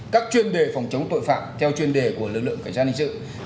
các chuyên đề phòng chống tội phạm theo chuyên đề của lực lượng cảnh sát hình sự